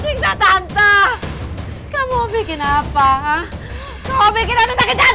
jingsat tante kamu bikin apa kamu bikin aku ngejatuh